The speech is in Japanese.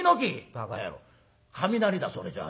「ばか野郎雷だそれじゃあ。